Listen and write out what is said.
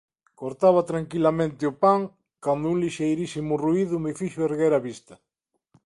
Cortaba tranquilamente o pan cando un lixeirísimo ruído me fixo ergue-la vista.